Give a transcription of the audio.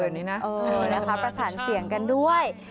นี้นะเออนะคะประสานเสียงกันด้วย